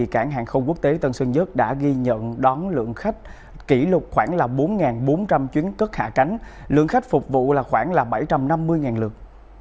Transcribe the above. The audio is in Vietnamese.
cảng hàng không quốc tế tân sơn nhất đã ghi nhận đón lượng khách kỷ lục khoảng bốn bốn trăm linh chuyến cất hạ cánh lượng khách phục vụ là khoảng bảy trăm năm mươi lượt